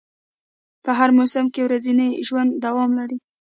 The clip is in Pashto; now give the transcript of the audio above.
په هر موسم کې ورځنی ژوند دوام لري